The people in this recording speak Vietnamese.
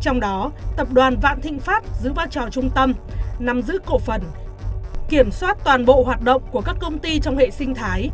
trong đó tập đoàn vạn thịnh pháp giữ vai trò trung tâm nắm giữ cổ phần kiểm soát toàn bộ hoạt động của các công ty trong hệ sinh thái